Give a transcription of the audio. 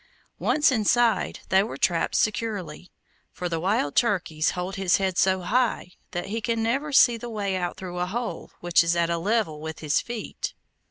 Once inside they were trapped securely, for the wild turkey holds his head so high that he can never see the way out through a hole which is at a level with his feet.